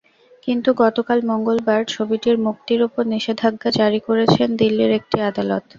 কিন্তু গতকাল মঙ্গলবার ছবিটির মুক্তির ওপর নিষেধাজ্ঞা জারি করেছেন দিল্লির একটি আদালত।